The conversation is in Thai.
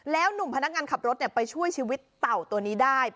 หนุ่มพนักงานขับรถไปช่วยชีวิตเต่าตัวนี้ได้